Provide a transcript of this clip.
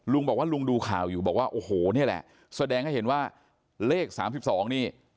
ลุงบอกว่าลุงดูข่าวอยู่แสดงให้เห็นว่าเลข๓๒นี่